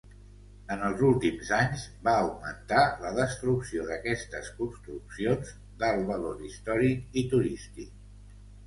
En els últims anys va augmentar la destrucció d'aquestes construccions d'alt valor històric i turístic.